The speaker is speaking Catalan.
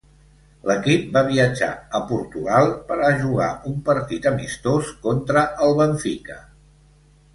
L'equip va viatjar a Portugal per a jugar un partit amistós contra el Benfica.